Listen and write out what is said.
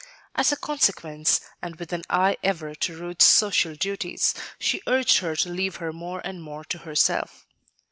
As a consequence, and with an eye ever to Ruth's social duties, she urged her to leave her more and more to herself.